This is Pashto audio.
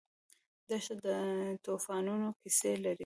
دښته د توفانونو کیسې لري.